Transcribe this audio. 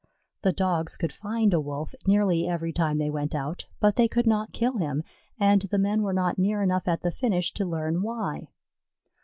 The Dogs could find a Wolf nearly every time they went out, but they could not kill him, and the men were not near enough at the finish to learn why.